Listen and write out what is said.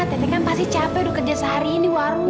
tete kan pasti capek kerja sehari ini warung